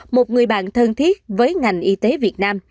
một người bạn thân thiết với ngành y tế việt nam